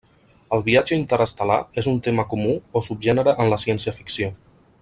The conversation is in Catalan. El viatge interestel·lar és un tema comú o subgènere en la ciència-ficció.